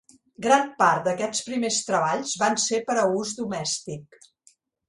Gran part d'aquests primers treballs van ser per a ús domèstic.